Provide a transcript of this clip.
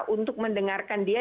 untuk mendengarkan dia